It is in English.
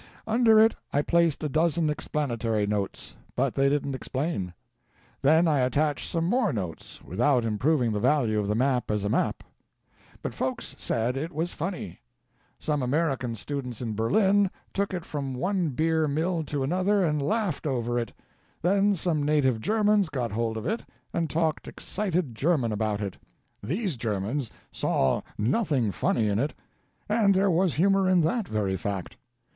Under it I placed a dozen explanatory notes, but they didn't explain. Then I attached some more notes, without improving the value of the map as a map. But folks said it was funny. Some American students in Berlin took it from one beer mill to another and laughed over it; then some native Germans got hold of it and talked excited German about it. These Germans saw nothing funny in it, and there was humor in that very fact.